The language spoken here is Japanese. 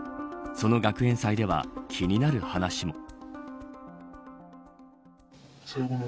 その学園祭では気になる話も。